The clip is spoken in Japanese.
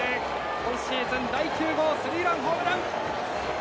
今シーズン第９号スリーランホームラン！